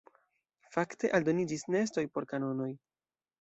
Fakte aldoniĝis nestoj por kanonoj.